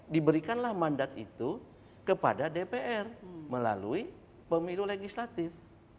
diberikanlah mandat itu kepada dpr melalui pemilu legislatif